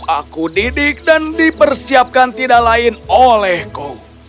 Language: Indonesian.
aku didik dan dipersiapkan tidak lain olehku